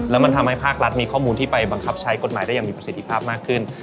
แล้วมันทำให้ภาครัฐมีข้อมูลที่ไปบังคับใช้กฎหมายได้อย่างมีประสิทธิภาพมากขึ้น